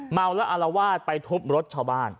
เมาและอลวาดไปทบรถชาวบ้าน